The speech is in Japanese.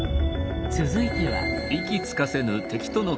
続いては。